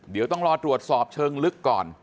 เดี๋ยวต้องรอตรวจสอบเชิงลึกก่อน